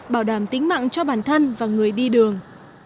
bảo đảm tính mạng cho bản thân và người đi đường